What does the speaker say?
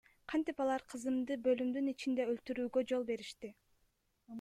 Кантип алар кызымды бөлүмдүн ичинде өлтүртүүгө жол беришти?